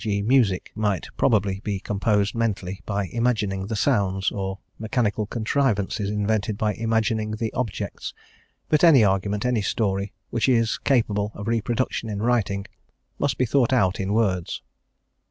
g., music might probably be composed mentally by imagining the sounds, or mechanical contrivances invented by imagining the objects; but any argument, any story, which is, capable of reproduction in writing, must be thought out in words.